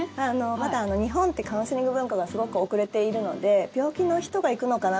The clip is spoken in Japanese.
まだ日本ってカウンセリング文化がすごく遅れているので病気の人が行くのかな？